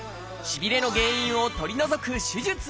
しびれの原因を取り除く手術まで。